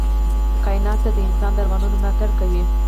کائنات د انسان د ارمانونو ملاتړ کوي.